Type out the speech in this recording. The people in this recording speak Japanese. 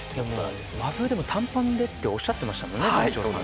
でも、真冬でも短パンっておっしゃってましたもんね。